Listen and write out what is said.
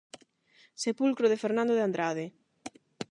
Sepulcro de Fernando de Andrade.